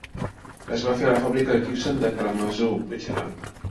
Es va fer a la fàbrica Gibson de Kalamazoo, Michigan.